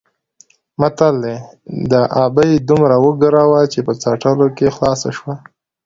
متل دی: د ابۍ دومره وګره وه چې په څټلو کې خلاصه شوه.